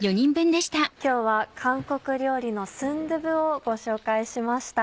今日は韓国料理のスンドゥブをご紹介しました。